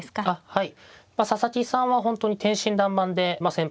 はい。